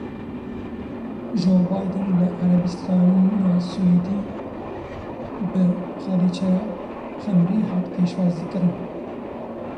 Joe Biden li ErebistanaSiûdî bi xalîçeya xemrî hat pêşwazîkirin.